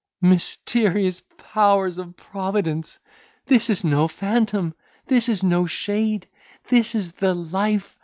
"Mysterious powers of Providence! this is no phantom! this is no shade! this is the life!